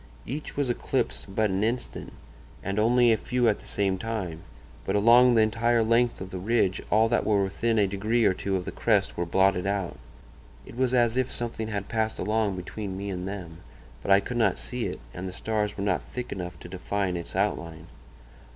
Each was eclipsed but an instant, and only a few at the same time, but along the entire length of the ridge all that were within a degree or two of the crest were blotted out. It was as if something had passed along between me and them; but I could not see it, and the stars were not thick enough to define its outline.